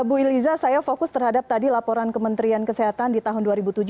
bu iliza saya fokus terhadap tadi laporan kementerian kesehatan di tahun dua ribu tujuh belas